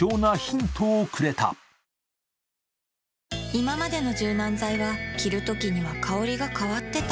いままでの柔軟剤は着るときには香りが変わってた